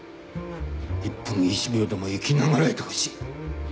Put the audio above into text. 一分一秒でも生き永らえてほしい。